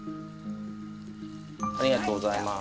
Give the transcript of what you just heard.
ありがとうございます。